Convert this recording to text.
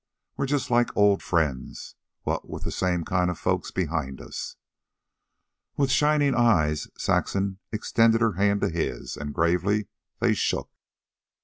"We're just like old friends, what with the same kind of folks behind us." With shining eyes, Saxon extended her hand to his, and gravely they shook.